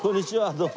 どうも。